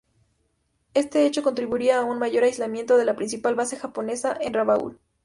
Este hecho contribuirá a un mayor aislamiento de la principal base japonesa en Rabaul.